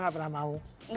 gak pernah mau